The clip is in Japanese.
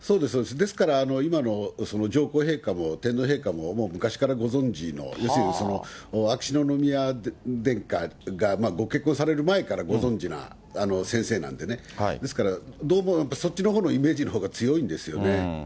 ですから、今の上皇陛下も天皇陛下ももう昔からご存じの、要するに、秋篠宮殿下がご結婚される前からご存じな先生なんでね、ですから、どうもやっぱり、そっちのほうのイメージが強いんですよね。